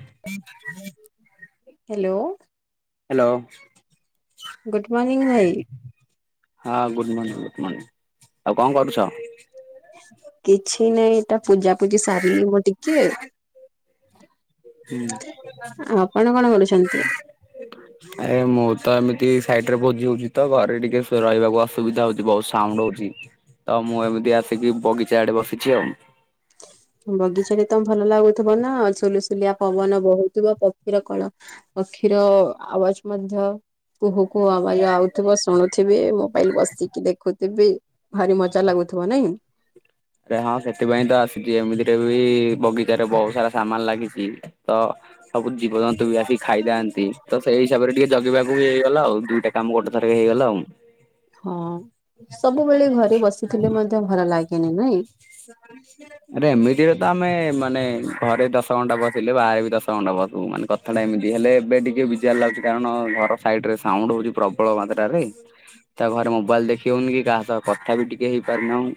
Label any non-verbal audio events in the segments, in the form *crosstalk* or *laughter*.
ହୁଁ ହୁଁ। *unintelligible* Hello. Hello. Good morning ଭାଇ। ହଁ ଗୁଡ ମର୍ଣ୍ଣିଂ ଗୁଡ ମର୍ଣିଂ ଆଉ କଣ କରୁଛ? କିଛି ନାଇଁ ଏଟା ପୂଜା ପୂଜି ସାରିଲି ମୁଁ ଟିକେ ଆଉ ଆପଣ କଣ କରୁଛନ୍ତି? ଏ ମୁଁ ତ ଏମିତି ସାଇଟ ରେ ଭୋଜି ହଉଛି ତ। ଘରେ ଟିକେ ରହିବାକୁ ଅସୁବିଧା ହଉଛି। ବହୁତ ସାଉଣ୍ଡ ହଉଛି। ତ ମୁଁ ଏମିତି ଆସିକି ବଗିଚା ଆଡେ ବସିଛି ଆଉ। ବଗିଚାରେ ତ ଭଲ ଲାଗୁଥିବ ନା। ସୁଲସୁଲିଆ ପବନ ବହୁଥିବ। ପକ୍ଷୀର କଳ ପକ୍ଷୀର ଆବାଜ ମଧ୍ୟ କୁହୁ କୁହୁ ଆବାଜ ଆଉଥିବ ଶୁଣୁଥିବେ। ମୋବାଇଲ ବସିକି ଦେଖୁଥିବେ। ଭାରି ମଜା ଲାଗୁଥିବ ନାଇଁ ଏ ହଁ ସେଥିପାଇଁ ତ ଆସିଛି ଏମିତିରେ ବି ବଗିଚାରେ ବହୁତ ସାରା ସାମାନ ଲାଗିଛି ତ ଅ ସବୁ ଜୀବଜନ୍ତୁ ବି ଆସ ଖାଇଯାନ୍ତି ତ ସେଇ ହିସାବରେ ଟିକେ ଜଗିବାକୁ ବି ହେଇଗଲା ଆଉ ଦୁଇଟା କାମ ଗୋଟେ ଥରକେ ହେଇଗଲା ଆଉ ହଁ ସବୁବେଳେ ଘରେ ବସିଥିଲେ ମଧ୍ୟ ଭଲ ଲାଗେନି ନାଇଁ *unintelligible* ଆରେ ଏମିତିରେ ତ ଆମେ ମାନେ ଘରେ ଦଶ ଘଣ୍ଟା ବସିଲେ ବାହାରେ ବି ଦଶ ଘଣ୍ଟା ବସୁ ମାନେ କ କଥାଟା ଏମିତି ହେଲେ ଏବେ ଟିକେ ବିଜାର ଲାଗୁଛି କାରଣ ଘର ସାଇଡ ରେ ସାଉଣ୍ଡ ହଉଛି ପ୍ରବଳ ମାତ୍ରରେ। ତା ଘରେ ମୋବାଇଲ ଦେଖି ହଉନି କି କାହା ସହ କଥା ବି ଟିକେ ହେଇପାରୁନାହୁଁ।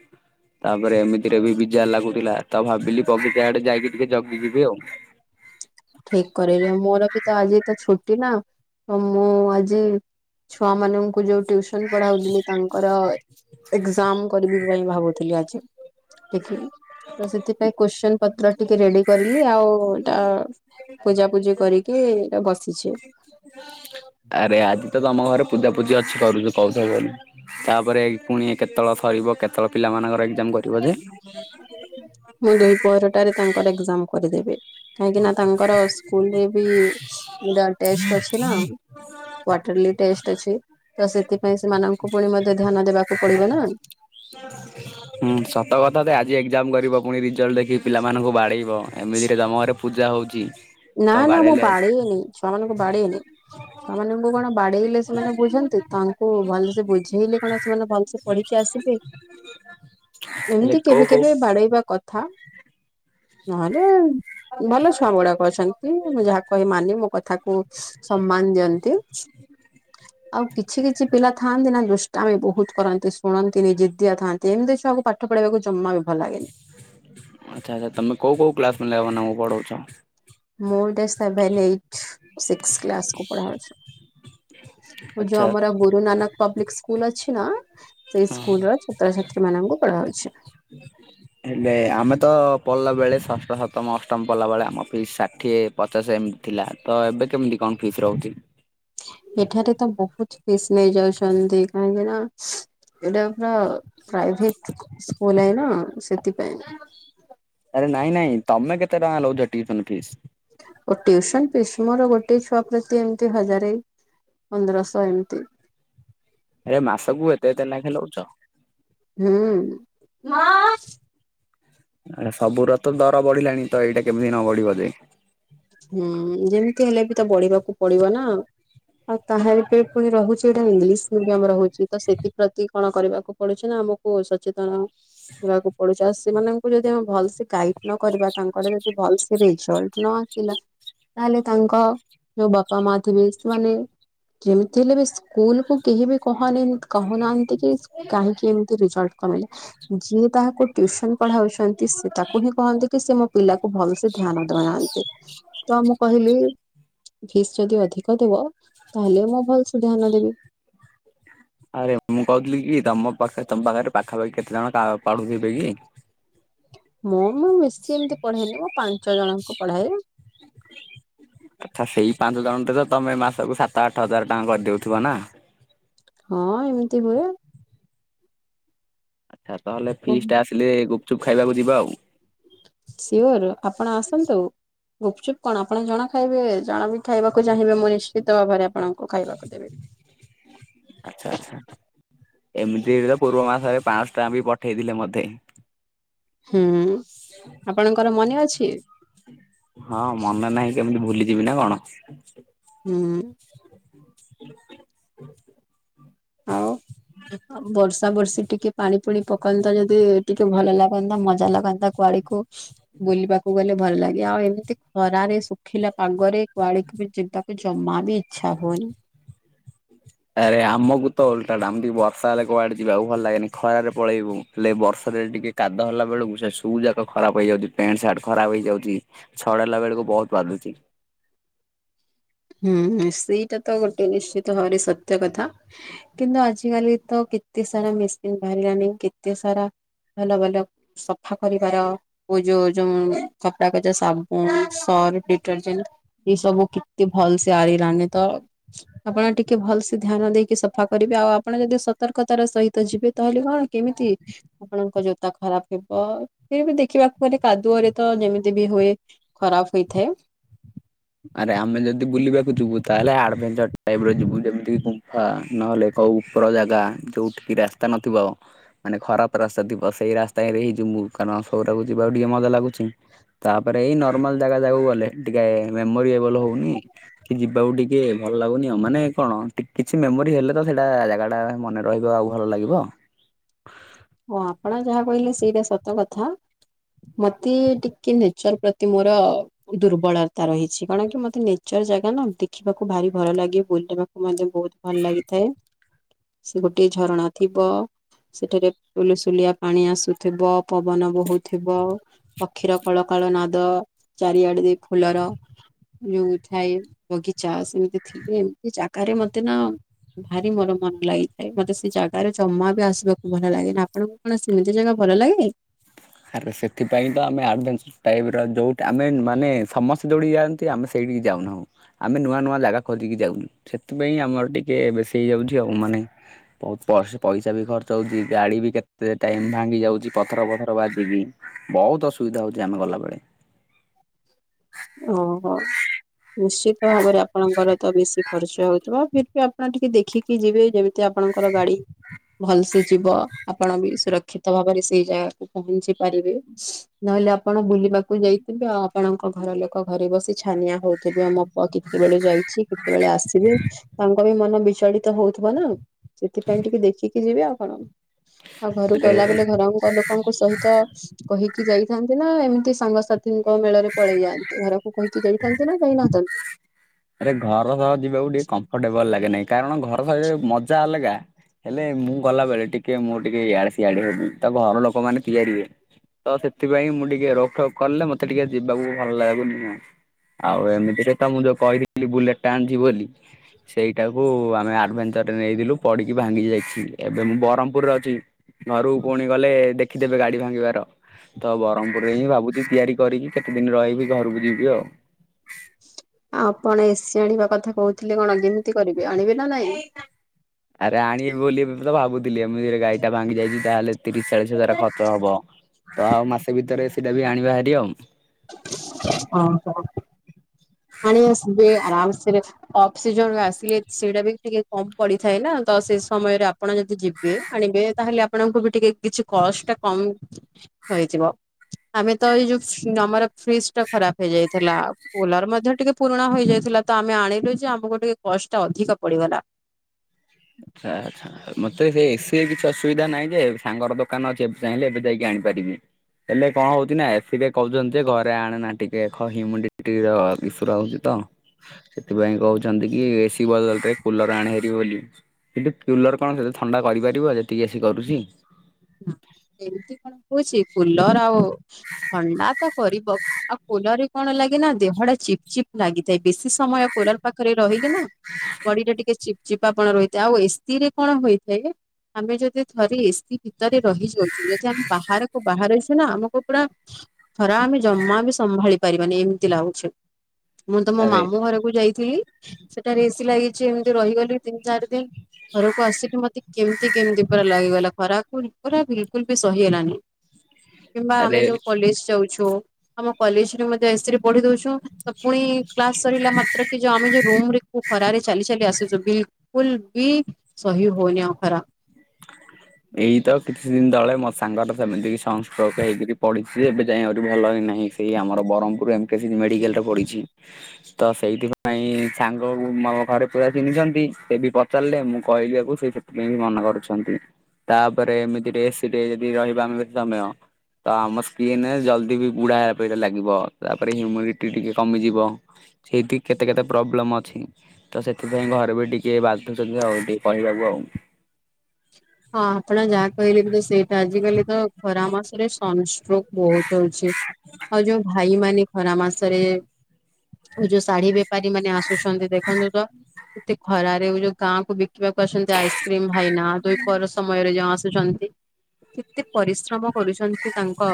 ତାପରେ ଏମିତି ରେ ବି ବିଜାର ଲାଗୁଥିଲା ତ ଭାବିଲି ବଗିଚା ଆଡେ ଯାଇକି ଟିକେ ଜଗିଯିବି ଆଉ। ଠିକ କରିଲ ମୋର ବି ତ ଆଜି ତ ଛୁଟି ନା ତ ମୁଁ ଆଜି ଛୁଆ ମାନଙ୍କୁ ଯୋଉ ଟିଉସନ ପଢାଉଥିଲି ତାଙ୍କର। ଏକ୍ଜାମ କରିବି ପାଇଁ ଭାବୁଥିଲି ଆଜି। ଦେଖିଲି ତ ସେଥିପାଇଁ କୋସଚୀନ ପତ୍ର ଟିକେ ରେଡି କରିଲି ଆଉ ଏଟା। ପୂଜା ପୂଜି କରିକି ଏଇଟା ବସିଛି। ହ *unintelligible* ଆରେ ଆଜି ତ ତମ ଘରେ ପୂଜା ପୂଜି ଅଛି କରୁଛ କହୁଥିଲ *unintelligible* ତାପରେ ପୁଣି କେତେବେଳେ ସରିବ କେତେବେଳେ ପିଲାମାନଙ୍କର ଏକ୍ଜାମ କରିବ ଯେ? ମୁଁ ଦୁଇ ପହରଟାରେ ତାଙ୍କର ଏକଜାମ କରିଦେବି କାହିଁକି ନା ତାଙ୍କର ସ୍କୁଲରେ ବି। ତାଙ୍କ ଟେଷ୍ଟ ଅଛି ନା। କ୍ଵାଟରଲି ଟେଷ୍ଟ ଅଛି ତ ସେଥିପାଇଁ ସେମାନଙ୍କୁ ପୁଣି ମଧ୍ୟ ଧ୍ୟାନ ଦେବାକୁ ପଡିବ ନା। ନ *unintelligible* ହୁଁ ସତ କଥା ତ ଆଜି ଏକ୍ଜାମ କରିବ ପୁଣି ରିଜଲ୍ଟ ଦେଖି ପିଲାମାନଙ୍କୁ ବାଡେଇବ ଏମିତିରେ ତମ ଘରେ। ପୂଜା ହଉଚି। ନା ନା ମୁଁ ବାଡେଇନି ଛୁଆମାନଙ୍କୁ ବାଡେଇନି। ଛୁଆ ମାନଙ୍କୁ କଣ ବାଡେଇଲେ ସେମାନେ ବୁଝନ୍ତି ତାଙ୍କୁ ଭଲସେ ବୁଝେଇଲେ କଣ ସେମାନେ ଭଲସେ। ପଢିକି ଆସିବେ। ହେଲେ ଏମିତି କୋଉ କେବେ କୋଉ କେବେ ବାଡେଇବା କଥା ନହେଲେ ଭଲ ଛୁଆ ଗୁଡା ଅଛନ୍ତି ମୁଁ ଯାହା କହେ ମାନି ମୋ କଥାକୁ ସମ୍ମାନ ଦିଅନ୍ତି। ଆଉ କିଛି କିଛି ପିଲା ଥାଆନ୍ତି ନା ଦୁଷ୍ଟାମି ବହୁତ କରନ୍ତି ଶୁଣନ୍ତିନି ଜିଦିଆ ଥା ଏମିତି ଛୁଆକୁ ପାଠ ପଢେଇବାକୁ ଜମା ବି ଭଲ ଲାଗେନି। ଆଚ୍ଛା ଆଚ୍ଛା ତମେ କଉ କଉ କ୍ଲାସ ପିଲା ମାନଙ୍କୁ ପଢ଼ଉଛ? ମୁଁ ଏଇଟା ସେଭେନ, ଏଇଟ, ସିକ୍ସ କ୍ଲାସ କୁ ପଢାଉଛି। ଯୋଉ ଆଚ୍ଛା ଆମର ଗୁରୁ ନାନକ ପବ୍ଲିକ ସ୍କୁଲ ଅଛି ନା। ସେଇ ସ୍କୁଲର ଛାତ୍ରଛାତ୍ରୀ ମାନଙ୍କୁ ପଢାଉଛି। ହେଲେ ଆମେ ତ ପଢିଲା ବେଳେ ଷଷ୍ଠ, ସପ୍ତମ, ଅଷ୍ଟମ ପଢ଼ିଲା ବେଳେ ଆମ ପାଈଁ ଷାଠିଏ। ପଚାଶ ଏମିତି ଥିଲା ତ ଏବେ କେମିତି କଣ ଫିସ୍ ରହୁଛି? ଏଠାରେ ତ ବହୁତ ଫିସ୍ ନେଇ ଯାଉଛନ୍ତି କାହିଁକି ନା। ଏଇଟା ପୁରା ପ୍ରାଇଭେଟ ସ୍କୁଲ ଏ ନା ସେଥିପାଇଁ। ଆରେ ନାଇଁ ନାଇଁ ତମେ କେତେ ଟଙ୍କା ନଉଚ ଟିଉସନ ଫିସ୍? ଓ ଟିଉସନ ଫିସ୍ ମୋର ଗୋଟେ ଛୁଆ ପ୍ରତି ଏମିତି ହଜାରେ। ପନ୍ଦରଷ ଏମିତି। ଏ ମାସକୁୁ ଏତେ ଏତେ ନେଖେ ନଉଚ? ହୁଁ। ଆ ସବୁର ତ ଦର ବଢିଲାଣି ତ ଏଇଟା କେମିତି ନ ବଢିବ ଯେ। ହୁଁ ଯେମିତି ହେଲେ ବି ତ ବଢିବାକୁ ପଡିବ ନା। ଆଉ ତାହେଲେ ବି ପୁଣି ରହୁଛି ଏଇଟା ଇଂଲିଶ ମିଡିୟମ ରହୁଛି ତ ସେଥିପ୍ରତି କଣ କରିବାକୁ ପଡୁଛି ନା ଆମ ଓ ସଚେତନ ହେବାକୁ ପଡୁଛି ଆଉ ସେମାନେ। *unintelligible* ଯଦି ଆମେ ଭଲସେ ଗାଇଡ ନ କରିବା ତାଙ୍କର ଯଦି ଭଲସେ ରେଜଲ୍ଟ ନ। ହେଲା ତାହେଲେ ତାଙ୍କ ଯୋଉ ବାପା, ମା ଥିବେ ସେମାନେ। କେମିତି ହେଲେ ବି ସ୍କୁଲ କୁ କେହି ବି କହନି କହୁନାହାନ୍ତି କି କାହିଁକି ଏମିତି ରେଜଲ୍ଟ। କଲେ। ଯିଏ ତାଙ୍କୁ ଟିଉସନ୍ ପଢାଉଛନ୍ତି ସେ ତାକୁ ହିଁ କହନ୍ତି କି ସେ ମୋ ପିଲାକୁ ଭଲସେ ଧ୍ୟାନ ଦଉନାହାନ୍ତି। ତ ମୁଁ କହିଲି। ଫିସ୍ ଯଦି ଅଧିକ ଦେବ ତାହେଲେ ମୁଁ ଭଲସେ ଧ୍ୟାନ ଦେବି। ଆରେ ମୁଁ କହୁଥିଲି କି ତମ ପାଖେ ତମ୍ ପାଖରେ ପାଖାପାଖି କେତେ ଜଣ କା- ପଢୁଥିବେ କି? ମୁଁ -ମୁଁ ବେଶି ଏମିତି ପଢେଇନି ମୁଁ ପାଞ୍ଚ ଜଣଙ୍କୁ ପଢାଏ। ଆଚ୍ଛା ସେଇ ପାଞ୍ଚ ଜଣ ଟେ ତ ତମେ ମାସକୁ ସାତ ଆଠ ହଜାର ଟଙ୍କା କରିଦଉଥିବ ନା? ହଁ ଏମିତି ହୁଏ। ଆଉ ତାହେଲେ ଫିସ୍ ଟା ଆସିଲେ ଗୁପ୍ ଚୁପ୍ ଖାଇବାକୁ ଯିବା ଆଉ। ସିଓର୍ ଆପଣ ଆସନ୍ତୁ। ଗୁପଚୁପ୍ କଣ ଆପଣ ଜଣେ ଖାଇବେ ଜଣ ବି ଖାଇବାକୁ ଚାହିଁବେ ମୁଁ ନିଶ୍ଚିତ ଭାବରେ ଆପଣଙ୍କୁ ଖାଇବାକୁ ଦେବି। ଆଚ୍ଛା ଆଚ୍ଛା। ଏମିତି ତ ପୂର୍ବ ମାସରେ ପାଁ ଶ ଟଙ୍କା ବି ପଠେଇଥିଲେ ମୋତେ। ହୁଁ। ଆପଣଙ୍କର ମନେ ଅଛି ହଁ ମନେ ନାହିଁ କେମିତି ଭୁଲିଯିବି ନା କଣ। *inaudible* ହୁଁ। ଆଉ ବର୍ଷା ବର୍ଷି ଟିକେ ପାଣି ପୁଣି ପକାନ୍ତା ଯଦି ଟିକେ ଭଲ ଲାଗନ୍ତା ମଜା ଲାଗନ୍ତା କୁଆଡକୁ ବୁଲିବାକୁ ଗଲେ ଭଲ୍ ଲାଗେ ଆଉ ଏମିତି ଖରାରେ ଶୁଖିଲା ପାଗରେ କୁଆଡକୁ ବି ଯିବାକୁ ଜମା ବି‌ ଇ ଛା ହୁଉନି। ଆରେ ଆମକୁ ତ ଓଲ୍ଟା ଟା ଆମକୁ ବି ବର୍ଷା ହେଲେ କୁଆଡେ ଯିବାକୁ ଭଲ୍ ଲାଗେନି ଖରାରେ ପଳେଇବୁ। ହେଲେ ବର୍ଷାରେ ଟିକେ କାଦ ହେଲା ବେଳକୁ ସେ ସୁ ଯାକ ଖରାପ ହେଇଯାଉଚି ପ୍ୟାଣ୍ଟ ସାର୍ଟ ଖରାପ ହେଇଯାଉଚି। ଛଡେଇଲା ବେଳକୁ ବହୁତ୍ ବାଧୁଚି। ହୁଁ ସେଇଟା ତ ଗୋଟେ ନିଶ୍ଚିତ ଭାବରେ ସତ୍ୟ କଥା। କିନ୍ତୁ ଆଜିକାଲି ତ କେତେ ସାରା ମିସିନ୍ ବାହାରିଲାଣି କେତେ ସାରା ଭଲ ଭଲ ସଫା କରିବାର ଯୋଉ ଯୋଉ କପଡ଼ା କଚା ସାବୁନ୍, ସର୍ଫ ଡିଟରଜେଣ୍ଟ୍ ଏ ସବୁ କେ ଏ ଭଲସେ ଆରିଲାନି ତ। ଆପଣ ଟିକେ ଭଲ୍ ସେ ଧ୍ୟାନ ଦେଇକି ସଫା କରିବେ ଆଉ ଆପଣ ଯଦି ସତର୍କତାର ସହିତ ଯିବେ ତାହେଲେ କଣ କିମିତି? ଆପଣଙ୍କ ଜୋତା ଖରାପ ହେବ ଇଏ ବି ଦେଖିବାକୁ ଗଲେ କାଦୁଅରେ ତ ଯେମିତି ବି ହୁଏ ଖରାପ ହୋଇଥାଏ। ଆରେ ଆମେ ଯଦି ବୁଲିବାକୁ ଯିବୁ ତାହେଲେ ଆଡଭେନ୍ଚର୍ ଟାଇପ ର ଯିବୁ ଯେମିତିକି ଗୁମ୍ଫା ନହେଲେ ଆଉ ଉପର ଜାଗା ଯୋଉଠିକି ରାସ୍ତା ନଥିବ ମାନେ ଖରାପ ରାସ୍ତା ଥିବ ସେଇ ରାସ୍ତା ହିଁ ରେ ଯଉ କାରଣ ସବୁଟାକୁ ଯିବା ଆଉ ଟିକେ ମଜା ଲାଗୁଚି ତାପରେ ଏଇ ନର୍ମାଲ ଜାଗା ଜାଗାକୁ ଗଲେ ଟିକେ ମେମୋରି ଏଭଲ ହଉନି। କି ଯିବାକୁ ଟିକେ ଭଲ ଲାଗୁନି ମାନେ କଣ ଟିକେ କିଛି ମେମୋରି ହେଲେ ତ ସେଇଟା ଜାଗା ଟା ମନେ ରହିବା କୁ ଭଲ୍ ଲାଗିବ। ଓ ଆପଣ ଯାହା କହିଲେ ସେଟା ସତ କଥା ମତେ ଟିକେ ନେଚର୍ ପ୍ରତି ମୋର ଦୁର୍ବଳତା ରହିଛି କଣ କି ମତେ ନେଚର୍ ଜାଗା ନା ଦେଖିବାକୁ ଭାରି ଭୟ ଲାଗେ ବୁଲିବାକୁ ମତେ ବହୁତ ଭଲ ଲାଗିଥାଏ ସେ ଗୋଟେ ଝରଣା ଥିବ ସେଠିରେ ସୁଲୁସୁଲିଆ ପାଣି ଆସୁଥିବ ପବନ ବୋହୁଥିବ। ପକ୍ଷୀର କଳ କଳ ନାଦ ଚାରିଆଡେ ଦ ଫୁଲର ଯୋଉଠାଏ ବଗିଚା ସେମିତି ଥିଲେ ଏମତି ଚାି ଆକାରେ ମତେ ନା ଭାରି ମୋର ମନ ଲାଗିଥାଏ ମତେ ସେ ଜାଗାରେ ଜମା ବି ଆସିବାକୁ ଭଲ ଲାଗେ ନା ଆପଣଙ୍କୁ କଣ ସେମିତି ଜାଗା ଭଲ ଲାଗେ। ଆରେ ସେଥିପାଇଁ ତ ଆମେ ଆଡ଼େନସୁ। ଟାଇପ ର ଯୋଉି ଆମେ ମାନେ ସମସ୍ତେ ଯୋଉଠିକି ଯାଆନ୍ତି ଆମେ ସେଇଠିକି ଯାଉନାହୁଁ ଆମେ ନୂଆ ନୂଆ ଜାଗା ଖୋଜିକି ଯାଉଛୁ ସେଥିପାଇଁ ଆମର ଟିକେ ବେଶୀ ହେଇଯାଉଛି ଆଉ ମାନେ ବହୁତ ପଇସା ବି ଖର୍ଚ ହଉଛି ଗାଡି ବି କେତେ ଟାଇମ ଭାଙ୍ଗି ଯାଉଛି ପଥର ପଥର। ତରଳ ଯିବି ବହୁତ ଅସୁବିଧା ହଉଛି ଆମେ ଗଲାବେେଳେ ଓହୋ ନିଶ୍ଚିତ ଭାବରେ ଆପଣଙ୍କର ତ ବେଶି ଖର୍ଚ୍ଚ ହଉଥିବ ଆପଣ ଟିକେ ଦେଖିକି ଯିବେ ଯେମିତି ଆପଣଙ୍କର ଗାଡି ଭଲସେ ଯିବ ଆପଣ ବି ସୁରକ୍ଷିତ ଭାବରେ ସେଇ ଜାଗାକୁ ପହଞ୍ଚି ପାରିବେ। ନହେଲେ ଆପଣ ବୁଲିବାକୁ ଯାଇଥିବେ ଆଉ ଆପଣଙ୍କ ଘର ଲୋକ ଘରେ ବସି ଛାନିଆ ହଉ ବେ ଆମପ କେତେବେଳେ ଯାଇଛି କେତେବେଳେ ଆସିବେ ତାଙ୍କ ବି ମନ ବିଚଳିତ ହଉଥିବ ନା। ସେଥିପାଇଁ ଟିକେ ଦେଖିକି ଯିବି ଆଉ କଣ ଆଉ ଘରକୁ ଗଲା ରେ ବଲେ ଘର କ ପଙ୍କ ସହିତ କହିକି ଯାଇଥାନ୍ତି ନା ଏମିତି ସାଙ୍ଗସାଥିଙ୍କ ମେଳରେ ପଳେଇ ଯାଆନ୍ତି ଘର କହିକି ଯାଇଥାନ୍ତି ନା ଯାଇ ନଥାନ୍ତନ୍ତି ଆରେ ଘର ସହ ଯିବାକୁ ଟିକେ କମ୍ଫର୍ଟେବଲ ଲାଗେନହିଁ। କାରଣ ଘର ସହ ଯ ମଜା ଅଲଗା। ହେଲେ ମୁଁ ଗଲାବେେଳେ ଟିକେ ମୁଁ ଟିକେ ଇଆଡେ ସିଆଡେ ହବି ତା ଘର ଲୋକମାନେ ତ ସେଥିପାଇଁ ମୁଁ ଟିକେ ରୋକଠୋକ କଲେ ମତେ ଟିକେ ଯିବାକୁ ଭଲ ଲାଗୁନି ଆଉ। ଆଉ ଏମିତିରେ ତ ମୁଁ ଯୋଉ କହିଥିଲି ବୁଲେଟ ଟା ଆଣିଛି ବୋଲି। ସେଇଟାକୁ ଆମେ ଆଡଭେଞ୍ଚର ନେଇଲୁ ପଡିକି ଭାଙ୍ଗି ଯାଇଛି ଏବେ ମୁଁ ବ୍ରହ୍ମପୁରରେ ଅଛି। ଘରୁକୁ ପୁଣି ଗଲେ ଦେଖିଦେବେ ଗାଡି ଭାଙ୍ଗିବାର। ତ ବ୍ରହ୍ମପୁରରେ ହିଁ ଭାବୁଛି ତିଆରି କରିକି କେତେ ଦିନ ରହିବି ଘରକୁ ଯିବି ଆଉ। ଆପଣ ଏସି ଆଣିବା କଥା କହୁଥିଲେ କଣ କେମିତି କରିବେ ଆଣିବେ ନା ନାଇଁ? ଆରେ ଆଣିବି ବୋଲି ଏ ତ ଭାବୁଥିଲି ମୁ ଗାଡ଼ି ଟା ଭଙ୍ଗି ଯାଇଛି ତାହେଲେ ତିରିଶ ଚାଳିଶ ହଜାର ଖର୍ଚ୍ଚ ହବ। ତ ଆଉ ମାସେ ଭିତରେ ସେଇଟା ବି ଆଣିବାହାରି ଆଉ। ହ ହ ପାଣି ଆରାମ ସେଖ *unintelligible* ଅଫ ସିଜନ ଆସିଲେ ସେଇଟା ବି ଟିକେ କମ ପଡିଥାଏ ନା ତ ସେ ସମୟରେ ଆପଣ ଯଦି ଯିବେ ଆଣିବେ ତାହେଲେ ଆପଣଙ୍କୁ ବି ଟିକେ କିଛି କଳସ ଟା କମ ହେଇଯିବ ଆମେ ତ ଏଇ ଯୋଉ ଆମର ଫ୍ରିଜ ଟା ଖରାପ ହେଇଯାଇଥିଲାଉ କୁଲର ମଧ୍ୟ ଟିକେ ପୁରୁଣା ହେଇଯାଇଥିଲା ତ ଆମେ ଆଣିଲୁ ଯେ ଆମକୁ ଟିକେ କଷ୍ଟ ଟା ଅଧିକ ପଡିଗଲା। ଆଚଛା ଆଛା *unintelligible* ଆଉ ମତେ ସେ ଏସିରେ କିଛି ଅସୁବିଧା ନାହିଁ ଯେ ସାଙ୍ଗର ଦୋକାନ ଅଛି ଏବେ ଚାହିଁଲେ ଏବେ ଯାଇକି ଆଣିପାରିବି। ହେଲେ କଣ ହଉଛି ନା ଏସିକେ କହୁଛନ୍ତି ଯେ ଘରେ ଆଣେ ନା ଟିକେ ହ୍ୟୁମିଡିର ବିସୁରା ହଉଛି ତ ସେଥିପାଇଁ କହୁଛନ୍ତି କି ଏସି ବଦଲରେ କୁଲର ଆଣି ହୋରିବି ବୋଲି କିନ୍ତୁ କୁଲର କଣ ସେତ ଥଣ୍ଡା କରିପାରିବ ଯେତିକି ଏସି କରୁଛି। ଏମିତି କଣ କହୁଛି କୁଲର ଆଉ ଥଣ୍ଡା ତ କରିବ। ଆଉ କୋଲର ରେ କଣ ଲାଗେ ନା ଦେହ ଟା ଚିପ୍ ଚିପ ଲାଗିଥାଏ ବେଶୀ ସମୟ କୋଲର ପାଖରେ ରହିଲେ ନା ବଡିଟା ଟିକେ ଚିପ ଚିପା ପଣ ରହିଥାଏ ଆଉ ଏସିରେ କଣ ହୋଇଥାଏ ଆମେ ଯଦି ଥରେ ଏସି ଭିତରେ ରହିଜି ଯଛୁ ଯଦି ଆମେ ବାହାରକୁ ବାହାରଇଛୁ ନା ଆମକୁ ପୁରା ଖରା ଆମେ ଜମା ବି ସମ୍ଭାଳି ପାରିବାନି ଏମିତି ଲାଗୁଛି। ମୁଁ ତ ମୋ ଆରେ ମାମୁଁ ଘରକୁ ଯାଇଥିଲି। ସେଠାରେ ଏସି ଲାଗିଛି ଏମିତି ରହିଗଲି ତିନି ଚାରି ଦିନ। ଘରକୁ ଆସିକି ମତେ କେମିତି କେମିତି ପୁରା ଲାଗିଗଲା ଖରାକୁ ପୁରା ବି ସ୍କୁଲ ବି ସହି ହେଲାନି କିମ୍ବା ଆମେ ଆରେ ଯୋଉ କଲେଜ ଯାଉଛୁ। ଆମ କଲେଜରେ ମଧ୍ୟ ଏରେ ପଢି ଦଉଛୁ ତ ପୁଣି କ୍ଲସ ସରିଲା ମାତ୍ର କି ଯୋଉ ଆମେ ଯୋଉ ରୁମ ଖରାରେ ଚାଲି ଚାଲି ଆସୁଛୁ ବିଲକୁଲ ବି ସହି ହଉନି ଆଉ ଖରା। ଏଇ ତ କିଛି ଦିନ ତଳେ ମୋ ସାଙ୍ଗଟା ସେମିତି ସଂସଷ୍ଟକ ହେଇକରି ପଢିଛି ଏବେ ଯାଇ ଆହୁରି ଭଲ ହିଁ ନାହିଁ। ସେଇ ଆମର ବ୍ରହ୍ମପୁର ଏସି ମେଡିକାଲରେ ପଢିଛି। ତ ସେଇଥିପାଇଁ ସାଙ୍ଗ ମୋ ଘରେ ପୁରା ଚିହ୍ନିଛନ୍ତି ସେ ବି ପଚାରିଲେ ମୁଁ କହିଲିିବାକୁ ସେ ସେ ସେଥିପାଇ ମନା କରୁଛନ୍ତି ତାପରେ ଏମିତିରେ ଏସିରେ ଟ ଯଦି ରହିବା ଆମେ ସମୟ। ତ ଆମ ସ୍କିିନ ଜଲଦି ବି ବୁଢା ହେଲା ପ ଲାଗିବ ତାପରେ ହ୍ୟୁମିଡିଟି ଟିକେ କମିଯିବ। ସେଇଠି କେତେ କେତେ ପ୍ରୋବ୍ଲେମ ଅଛି। ତ ସେଥିପାଇଁ ଘରେ ବି ଟିକେ ବାଧୁଛନ୍ତି ଆଉ ଟିକେ କହିବାକୁ ଆଉ। ହଁ ଆପଣ ଯାହା କହିଲେ କି ତ ସେଇଟା ଆଜିକାଲି ତ ଖରା ମାସରେ ସଂଷ୍ଟ୍ରୋକ ବହୁତ ହଉଛି। ଆଉ ଯୋଉ ଭାଇ ମାନ ଖରା ମାସରେ ଯୋଉ ଶାଢୀ ବେପାରୀ ମାନେ ଆସୁଛନ୍ତି ଦେଖନ୍ତୁ ତ ଏତେ ଖରା ସେ ଯୋଉ ଗାଁ କୁ ବିକିବାକୁ ଅଛନ୍ତି ଆଇସ୍କ୍ରିମ ଭାଇନା ସମୟରେ ଯଉ ଆସୁଛନ୍ତି, କେତେ ପରିଶ୍ରମ କରୁଛନ୍ତି ତାଙ୍କ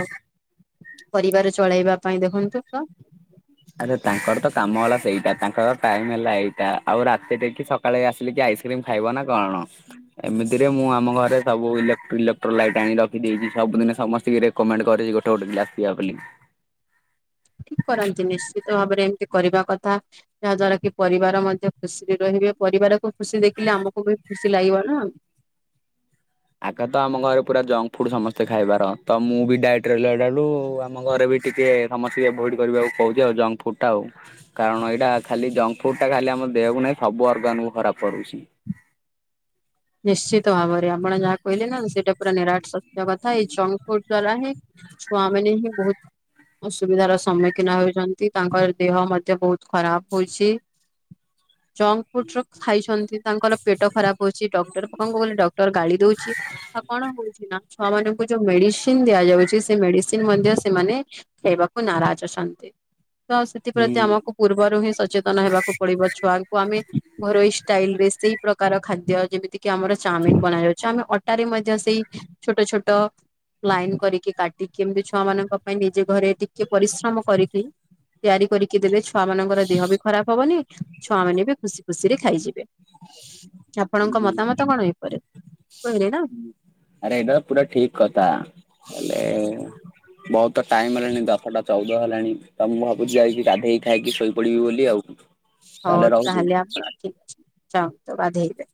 ପରିବାର ଚଳେଇବା ପାଇଁ ଦେଖନ୍ତୁ ତ ଆରେ ତାଙ୍କର ତ କାମ ହେଲା ସେଇଟା, ତାଙ୍କର ଟାଇମ୍ ହେଲା ଏଇଟା। ଆଉ ରାତି ରେ କି ସ ସକାଳେ ଆସିଲି କିଏ ଆଇସ୍କ୍ରିମ ଖାଇବ ନା କଣ? ଏମିତିରେ ମୁଁ ଆମ ଘରେ ସବୁ ଇଲୋକ୍ଟ ଇଲେକ୍ଟ୍ର ଲାଇଟ ଆଣି ରଖିଦେଇଛି ସବୁଦିନ ସମସ୍ତ ରେ କମେଣ୍ଟ କରିଛି ଗୋଟେ ଗୋଟେ ଆସିବା ବୋଲି ଠିକ୍ କରନ୍ତିନି ନିଶ୍ଚିତ ଭାବରେ ଏମତି କରିବା କଥା ଯାହା ଦ୍ଵାରା କି ପରିବାର ମଧ୍ୟ ଖୁସିରେ ରହିବେ। ପରିବାରକୁ ଖୁସି ଦେଖିଲେ ଆମକୁ ବି ଖୁସି ଲାଗିବ ନା। ଆଗ ତ ଆମ ଘରେ ପୁରା ଜଙ୍କ ଫୁଡ ସମସ୍ତେ ଖାଇବାର। ତ ମୁଁ ବି ଡାଇଟ ରେ ରହିଲା ଠୁ ଆମ ଘରେ ବି ଟିକେ ସମସ୍ତେ ଏଭୋଡ କରିବାକୁ କହୁଛି ଆଉ। ଜଙ୍କ ଫୁଡ୍ ଟା ଆଉ। କାରଣ ଏଇଟା ଖାଲି ଜଙ୍କ ଫୁଡ଼ ଟା ଖାଲି ଆମ ଦେହକୁ ନାହିଁ। ସବୁ ଅର୍ଗାନକୁ ଖରାପ କରୁଛି। ନିଶ୍ଚିତ ଭାବରେ। ଆପଣ ଯାହା କହିଲେ ନା ସେଇଟା ପୁରା ନିରାଟ ସତ୍ୟ କଥା। ଏଇ ଜଙ୍କ ଫୁଡ ଦ୍ଵାରା ହିଁ ଛୁଆମାନେ ହିଁ ବୋହୁତ୍ ଅସୁବିଧାର ସମ୍ମୁଖୀନ ହେଉଛନ୍ତି। ତାଙ୍କର ଦେହ ମଧ୍ୟ ବୋହୁତ୍ ଖରାପ ହଉଛି। ଜଙ୍କ ଫୁଡର ଖାଇଛନ୍ତି ତାଙ୍କର ପେଟ ଖରାପ ହୋଇଛି ଡ ତାଙ୍କୁ କହିଲେ ଡକ୍ଟର ଗାଳି ଦଉଛି, ଆଉ କଣ ହଉଛି ନା ଛୁଆ ମାନଙ୍କୁ ଯୋଉ ମେଡ଼ିସିନ୍ ଦିଆଯାଉଛି, ସେ ମେଡ଼ିସିନ୍ ମଧ୍ୟ ସେମାନେ ହେବାକୁ ନାରାଜ ଅଛନ୍ତି। ତ ସେଥିପ୍ରତି ଆମକୁ ହୁଁ ପୂର୍ବରୁ ହିଁ ସଚେତନ ହେବାକୁ ପଡିବ। ଛୁଆଙ୍କୁ ଆମେ ଘରୋଇ ଷ୍ଟାଇଲ ରେ ସେଇ ପ୍ରକାର ଖାଦ୍ୟ, ଯେମିତି କିି ଆମର ଚାଉମିନ ବନା ଯାଉଛି ଆମେ ଟାରେ ମଧ୍ୟ ସେଇ ଛୋଟ ଛୋଟ ଲାଇନ କରିକି କାଟିକି ଏମିତି ଛୁଆ ମାନଙ୍କ ପାଇଁ ନିଜେ ଘରେ ଟିକେ ପରିଶ୍ରମ କରିକି ତିଆରି କରିକି ଦେଲେ। ଛୁଆ ମାନଙ୍କର ଦେହ ବି ଖରାପ ହବନି, ଛୁଆ ମାନେ ବି ଖୁସି ଖୁସିରେ ଖାଇଯିବେ। ଆପଣଙ୍କ ହୁଁ। ମତାମତ କଣ? ହେଇପର କହିଲେ ନା। ଆରେ ଏଇଟା ପୁରା ଠିକ୍ କଥା ହେଲେ ବହୁତ ଟାଇମ୍ ହେଲାଣି ଦଶଟା ଚଉଦ ହେଲାଣି। ତ ମୁଁ ଭାବୁଛି ଯାଇକି ଗାଧେଇକି ଖାଇକି ଶୋଇପଡିବି ବୋଲି ଆଉ। ହଉ ତାହେଲେ ଆପଣ ଠିକ୍ ଅଛି ଯାନ୍ତୁ ଗାଧେଇବେ।